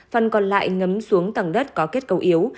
phần còn lại ngấm xuống tầng đất có kết cấu yếu